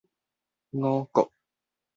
五穀